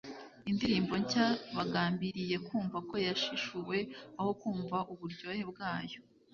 indirimbo nshya bagambiriye kumva ko yashishuwe aho kumva uburyohe bwayo.